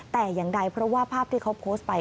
แต่อย่างใดเพราะว่าภาพที่เขาโพสต์ไป